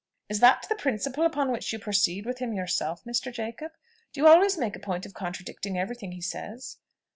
"Is that the principle upon which you proceed with him yourself, Mr. Jacob? Do you always make a point of contradicting every thing he says?"